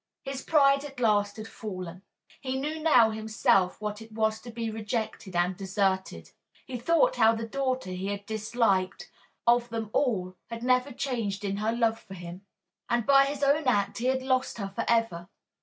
His pride at last had fallen. He knew now himself what it was to be rejected and deserted. He thought how the daughter he had disliked, of them all, had never changed in her love for him. And by his own act he had lost her for ever.